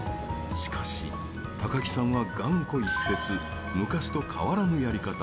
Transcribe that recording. しかし、高木さんは頑固一徹昔と変わらぬやり方。